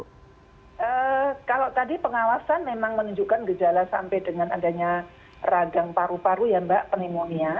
kalau tadi pengawasan memang menunjukkan gejala sampai dengan adanya ragang paru paru ya mbak pneumonia